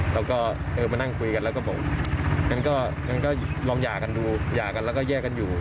เขาก็เออมานั่งคุยกันแล้วก็บอกงั้นก็งั้นก็ลองหย่ากันดูหย่ากันแล้วก็แยกกันอยู่